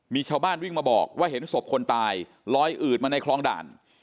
มีชาวบ้านวิ่งมาบอกว่าเห็นศพคนตายลอยอืดมาในคลองด่าน